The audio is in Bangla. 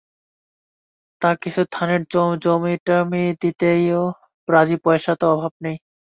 তা কিছু ধানের জমিটমি দিতেও রাজি-পয়সার তো অভাব নেই!